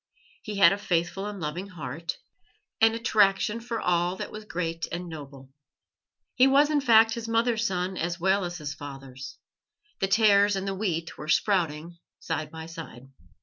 He had a faithful and loving heart, an attraction for all that was great and noble. He was, in fact, his mother's son as well as his father's; the tares and the wheat were sprouting side by side.